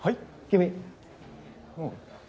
君。